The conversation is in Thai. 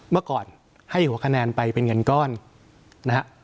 เมื่อก่อนให้หัวคะแนนไปเป็นเงินก้อนนะฮะ